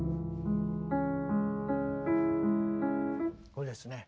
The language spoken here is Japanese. これですね。